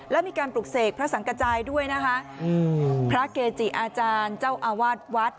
และมีการปลุกเสกพระสังกระจายด้วยนะคะอืมพระเกจิอาจารย์เจ้าอาวาสวัด